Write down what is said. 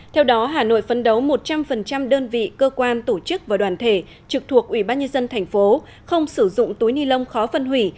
theo đó hà nội phấn đấu một trăm linh đơn vị cơ quan tổ chức và đoàn thể trực thuộc ubnd tp không sử dụng túi ni lông khó phân hủy